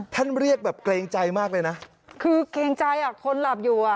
ท่านเรียกแบบเกรงใจมากเลยนะคือเกรงใจอ่ะคนหลับอยู่อ่ะ